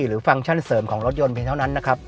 ฟังก์ชั่นเสริมของรถยนต์เพียงเท่านั้นนะครับ